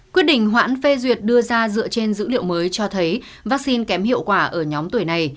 quyết định hoãn phê duyệt đưa ra dựa trên dữ liệu mới cho thấy vaccine kém hiệu quả ở nhóm tuổi này